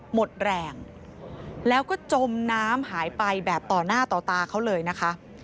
หมดแรงแล้วก็จมน้ำหายไปแบบต่อหน้าต่อตาเขาเลยนะคะ